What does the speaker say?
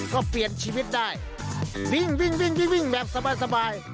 ก็เปลี่ยนชีวิตได้วิ่งวิ่งวิ่งแบบสบาย